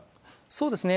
そうですね。